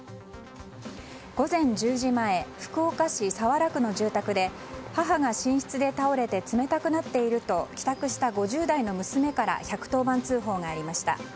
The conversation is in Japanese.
午前１０時前福岡市早良区の住宅で母が寝室で倒れて冷たくなっていると帰宅した５０代の娘から１１０番通報がありました。